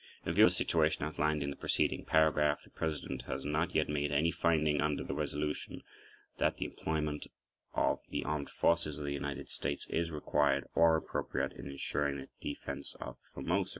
In view of the situation outlined in the preceding paragraph, the President has not yet made any finding under that resolution that the employment of the Armed Forces of the United States is required or appropriate in insuring the defense of Formosa.